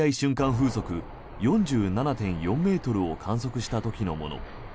風速４７．４ｍを観測した時のもの。